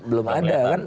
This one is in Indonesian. belum ada kan